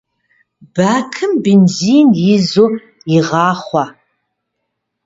Бакым бензин изу игъахъуэ.